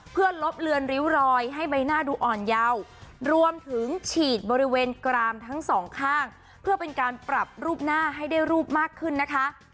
เพื่อลบเลือนริ้วรอยให้ใบหน้าดูอ่อนเยาว์รวมถึงฉีดบริเวณกรามทั้งสองข้างเพื่อเป็นการปรับรูปหน้าให้ได้รูปมากขึ้นนะคะ